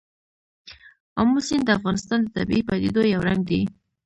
آمو سیند د افغانستان د طبیعي پدیدو یو رنګ دی.